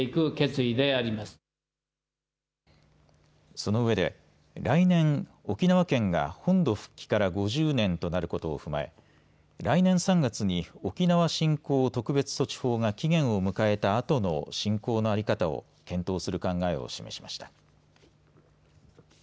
そのうえで来年、沖縄県が本土復帰から５０年となることを踏まえ来年３月に沖縄振興特別措置法が期限を迎えたあとの振興の在り方を検討する考えを示しました。